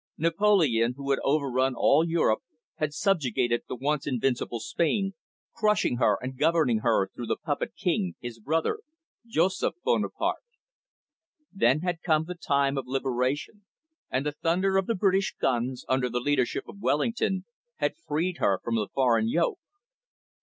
Napoleon, who had overrun all Europe, had subjugated the once invincible Spain, crushing her and governing her through the puppet King, his brother, Joseph Bonaparte. Then had come the time of liberation, and the thunder of the British guns, under the leadership of Wellington, had freed her from the foreign yoke.